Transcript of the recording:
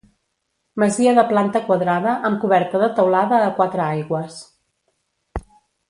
Masia de planta quadrada amb coberta de teulada a quatre aigües.